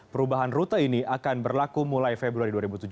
perubahan rute ini akan berlaku mulai februari dua ribu tujuh belas